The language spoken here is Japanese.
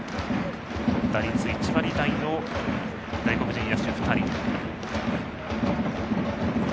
打率１割台の外国人野手２人。